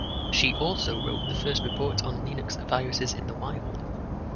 She also wrote the first report on Linux viruses in the wild.